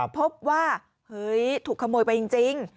พบว่าถูกขโมยไปจริง